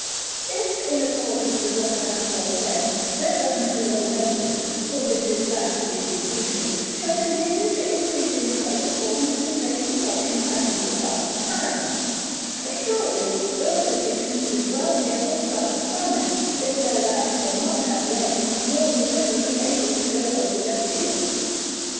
If, in accordance with what I before said, their land below Memphis (for this is that which is increasing) shall continue to increase in height according to the same proportion as in the past time, assuredly those Egyptians who dwell here will suffer famine, if their land shall not have rain nor the river be able to go over their fields.